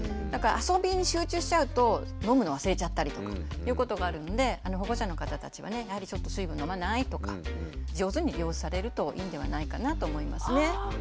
だから遊びに集中しちゃうと飲むの忘れちゃったりとかいうことがあるので保護者の方たちはねやはりちょっと「水分飲まない？」とか上手に利用されるといいんではないかなと思いますね。